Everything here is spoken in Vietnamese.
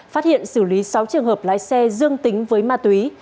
phát hiện xử lý sáu trường hợp lái xe dương tính với ma túy